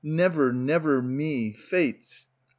Never, never me Fates